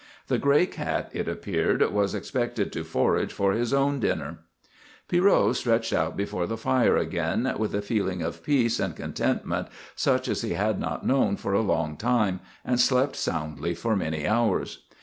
The gray cat, it appeared, was expected to forage for his own dinner. Pierrot stretched out before the fire again, with a feeling of peace and contentment such as he had not known for a long time, and slept soundly for many hours.